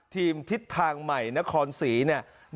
ทิศทางใหม่นครศรีเนี่ย